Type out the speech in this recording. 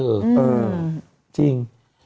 เออจริง